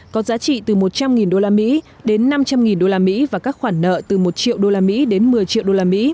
có giá trị từ một trăm linh usd đến năm trăm linh usd và các khoản nợ từ một triệu usd đến một mươi triệu usd